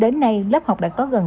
đến nay lớp học đã kết thúc